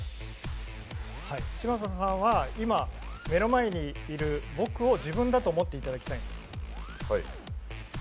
嶋佐さんは今、目の前にいる僕を自分だと思っていただきたいんです。